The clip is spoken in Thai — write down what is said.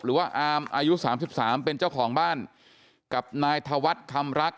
หรือว่าอามอายุสามสิบสามเป็นเจ้าของบ้านกับนายธวัตรคำรัก